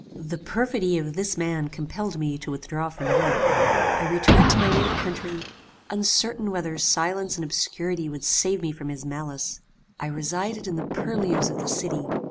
"The perfidy of this man compelled me to withdraw from Europe. I returned to my native country, uncertain whether silence and obscurity would save me from his malice. I resided in the purlieus of the city.